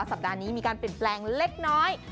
สัปดาห์นี้มีการเปลี่ยนแปลงเล็กน้อย